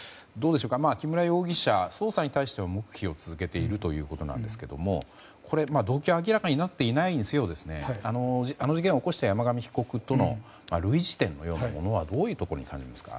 木村容疑者、捜査に対しては黙秘を続けているということですが動機が明らかになっていないにせよあの事件を起こした山上被告との類似点というようなものはどういうところに感じますか。